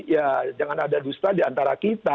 ya jangan ada dusta di antara kita